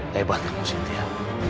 hebat kamu cynthia